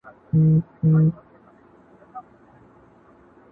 په دې اور سو موږ تازه پاته کېدلای!.